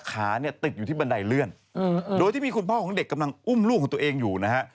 ขาเนี่ยติดอยู่ที่บันไดเลื่อนโดยที่มีคุณพ่อของเด็กกำลังอุ้มลูกของตัวเองอยู่นะฮะ